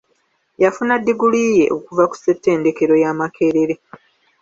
Yafuna ddiguli ye okuva ku ssettendekero ya Makerere.